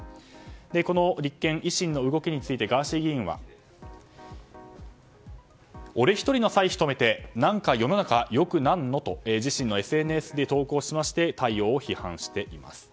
この立憲、維新の動きについてガーシー議員は俺１人の歳費止めて何か世の中よくなんの？と自身のＳＮＳに投稿しまして対応を批判しています。